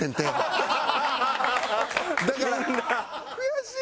悔しい！